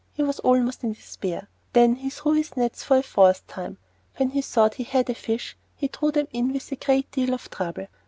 He was almost in despair. Then he threw his nets for the fourth time. When he thought he had a fish he drew them in with a great deal of trouble.